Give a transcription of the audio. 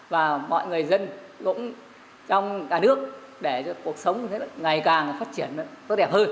và mọi người dân cũng trong cả nước để cho cuộc sống ngày càng phát triển tốt đẹp hơn